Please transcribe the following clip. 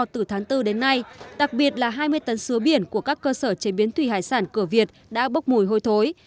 từ tháng bốn đến nay đặc biệt là hai mươi tấn sứa biển của các cơ sở chế biến thủy hải sản cửa việt đã bốc mùi hôi thối